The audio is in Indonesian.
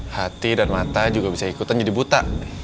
hati dan mata juga bisa ikutan jadi buta